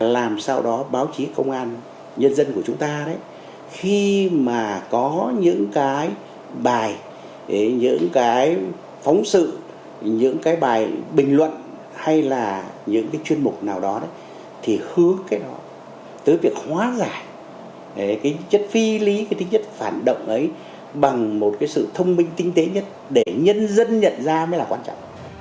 làm sao đó báo chí công an nhân dân của chúng ta khi mà có những cái bài những cái phóng sự những cái bài bình luận hay là những cái chuyên mục nào đó thì hứa cái đó tới việc hóa giải cái chất phi lý cái tính nhất phản động ấy bằng một cái sự thông minh tinh tế nhất để nhân dân nhận ra mới là quan trọng